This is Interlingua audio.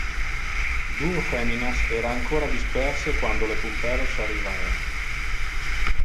Duo feminas era ancora disperse quando le pumperos arrivava.